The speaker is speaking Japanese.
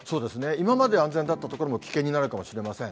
今まで安全だった所も危険になるかもしれません。